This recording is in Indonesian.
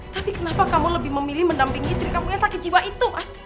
tapi kenapa kamu lebih memilih mendampingi istri kamu yang sakit jiwa itu mas